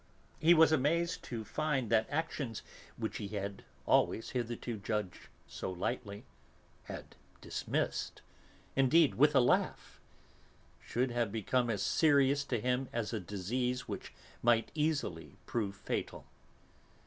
He was amazed to find that actions which he had always, hitherto, judged so lightly, had dismissed, indeed, with a laugh, should have become as serious to him as a disease which might easily prove fatal.